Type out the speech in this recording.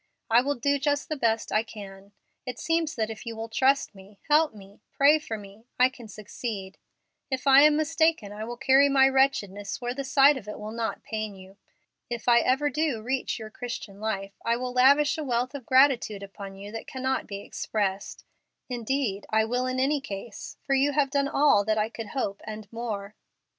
I will do just the best I can! It seems that if you will trust me, help me, pray for me, I can succeed. If I am mistaken, I will carry my wretchedness where the sight of it will not pain you. If I ever do reach your Christian life, I will lavish a wealth of gratitude upon you that cannot be expressed. Indeed, I will in any case, for you have done all that I could hope and more."